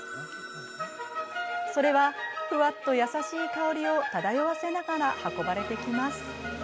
それは、ふわっと優しい香りを漂わせながら運ばれてきます。